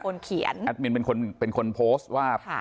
เขียนแอดมินเป็นคนเป็นคนโพสต์ว่า